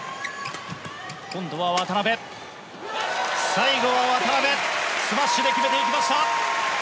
最後は渡辺スマッシュで決めていきました。